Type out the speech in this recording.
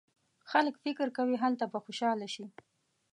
خلک فکر کوي هلته به خوشاله شي.